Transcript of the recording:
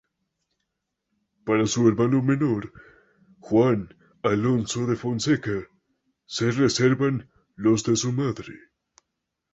Para su hermano menor, Juan Alonso de Fonseca, se reservan los de su madre.